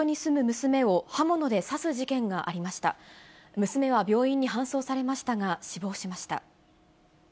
娘は病院に搬送されましたが、死亡しました。